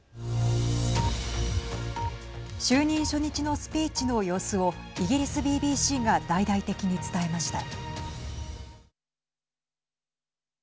就任初日のスピーチの様子をイギリスＢＢＣが大々的に伝えました。